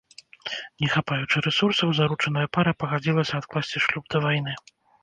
Не хапаючы рэсурсаў, заручаная пара пагадзілася адкласці шлюб да вайны.